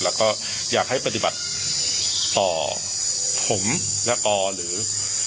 แล้วก็อยากให้ปฏิบัติต่อผมและอหรือ